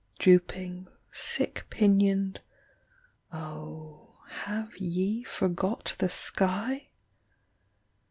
Drooping, sick pinion d, oh Have ye forgot the sky?